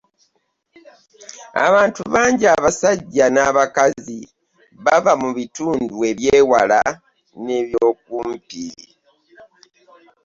Abantu bangi, abasajja n'abakazi, baava mu bitundu eby'ewala n'eby'okumpi.